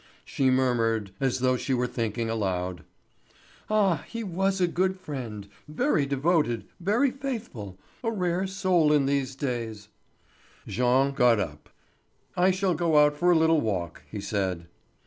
She murmured, as though she were thinking aloud: "Ah, he was a good friend, very devoted, very faithful, a rare soul in these days." Jean got up. "I shall go out for a little walk," he said.